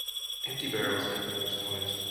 Empty barrels make the most noise.